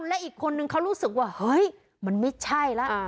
และอีกคนนึงเขารู้สึกว่าเฮ้ยมันไม่ใช่แล้ว